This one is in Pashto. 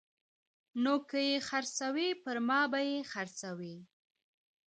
نو که یې خرڅوي پرما به یې خرڅوي